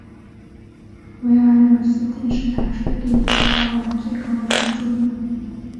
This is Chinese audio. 维尔纽斯电视塔是立陶宛最高的建筑物。